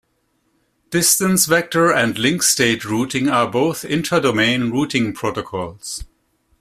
Distance vector and link state routing are both intra-domain routing protocols.